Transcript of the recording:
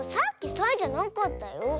サイじゃなかった。